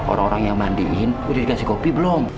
orang orang yang mandiin udah dikasih kopi belum